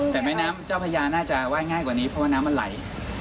แต่แม่น้ำเจ้าพญาน่าจะไหว้ง่ายกว่านี้เพราะว่าน้ำมันไหล